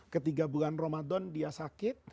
ketika bulan ramadan dia sakit